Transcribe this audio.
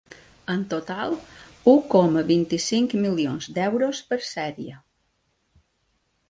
En total, u coma vint-i-cinc milions d’euros per sèrie.